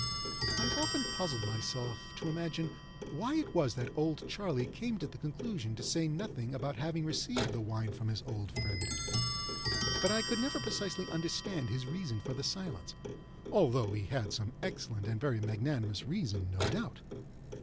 I have often puzzled myself to imagine why it was that "Old Charley" came to the conclusion to say nothing about having received the wine from his old friend, but I could never precisely understand his reason for the silence, although he had some excellent and very magnanimous reason, no doubt.